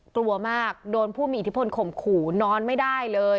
กลัวมากโดนผู้มีอิทธิพลข่มขู่นอนไม่ได้เลย